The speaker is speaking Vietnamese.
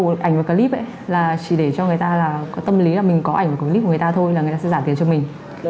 mục đích yêu cầu ảnh và clip là chỉ để cho người ta có tâm lý là mình có ảnh và clip của người ta thôi là người ta sẽ giảm tiền cho mình